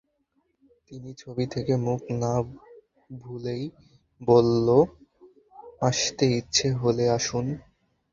তিন্নি ছবি থেকে মুখ না-ভুলেই বলল, আসতে ইচ্ছে হলে আসুন।